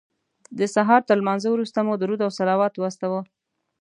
د سهار تر لمانځه وروسته مو درود او صلوات واستاوه.